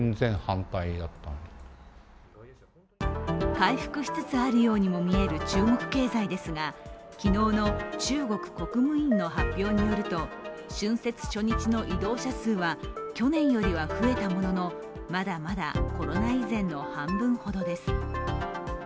回復しつつあるようにも見える中国経済ですが、昨日の中国国務院の発表によると春節初日の移動者数は去年よりは増えたものの、まだまだコロナ以前の半分ほどです。